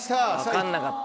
分かんなかった。